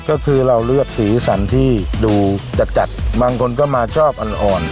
ก็คือเราเลือกสีสันที่ดูจัดบางคนก็มาชอบอ่อน